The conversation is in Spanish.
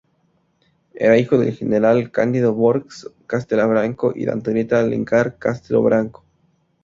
Era hijo del General Cândido Borges Castelo Branco y de Antonieta Alencar Castelo Branco.